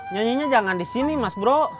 nyanyinya jangan disini mas bro